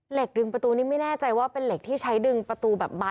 ดึงประตูนี้ไม่แน่ใจว่าเป็นเหล็กที่ใช้ดึงประตูแบบเบา